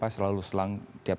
selalu selang tiap